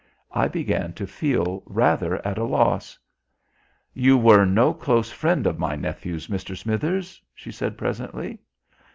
I began to feel rather at a loss. "You were no close friend of my nephew's, Mr. Smithers?" she said presently.